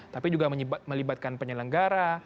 tapi juga melibatkan penyelenggara